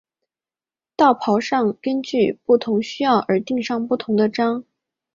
道袍上会根据不同需要而钉上不同的章。